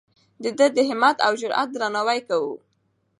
د ده د همت او جرئت درناوی کوو.